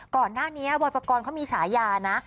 ก่อนหน้านี้บอยปกรณ์เขามีฉายานะ